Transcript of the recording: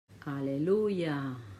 Al·leluia!